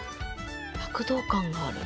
躍動感がある。